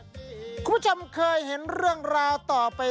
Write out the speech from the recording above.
สีสันข่าวชาวไทยรัฐมาแล้วครับ